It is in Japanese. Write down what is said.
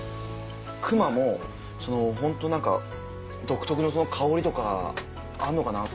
熊もホント何か独特の香りとかあんのかなと思うじゃないですか。